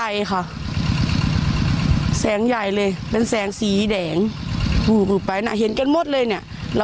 ใหญ่ค่ะแสงใหญ่เลยเป็นแสงสีแดงพูดออกไปน่ะเห็นกันหมดเลยเนี่ย